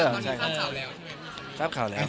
ท้ายสับข่าวแล้วใช่มั้ย